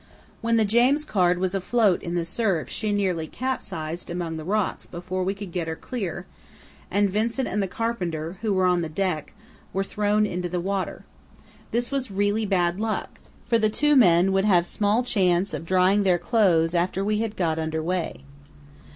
When the James Caird was afloat in the surf she nearly capsized among the rocks before we could get her clear, and Vincent and the carpenter, who were on the deck, were thrown into the water. This was really bad luck, for the two men would have small chance of drying their clothes after we had got under way.